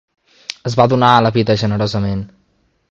Es va donar a la vida generosament.